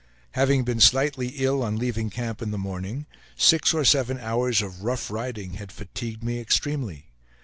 Having been slightly ill on leaving camp in the morning six or seven hours of rough riding had fatigued me extremely.